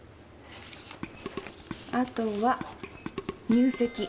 あとは入籍。